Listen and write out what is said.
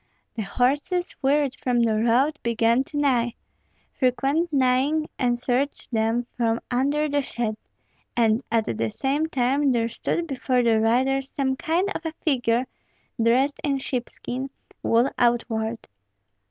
The horses, wearied from the road, began to neigh; frequent neighing answered them from under the shed, and at the same time there stood before the riders some kind of a figure, dressed in sheepskin, wool outward.